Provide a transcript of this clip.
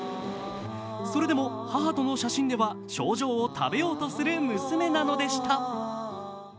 それでも、母との写真では賞状を食べようとする娘なのでした。